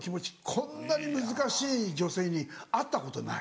こんなに難しい女性に会ったことない。